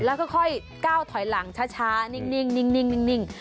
แล้วค่อยก้าวถอยหลังช้านิ่ง